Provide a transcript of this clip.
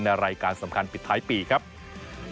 ในรายการสำคัญปิดท้ายปีครับทีมงานท